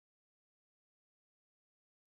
آیا د انټرنیټ بیه هلته لوړه نه ده؟